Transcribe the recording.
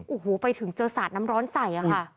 โอ้โหไปถึงเจอสาดน้ำร้อนใส่ค่ะ